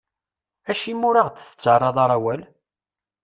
Acimi ur aɣ-d-tettarraḍ ara awal?